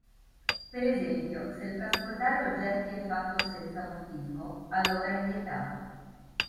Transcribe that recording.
Per esempio, se il trasportare oggetti è fatto senza motivo, allora è vietato.